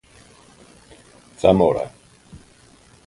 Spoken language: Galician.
Zamora.